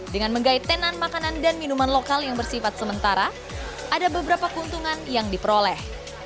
dengan menggait tenan makanan dan minuman lokal yang bersifat sementara ada beberapa keuntungan yang diperoleh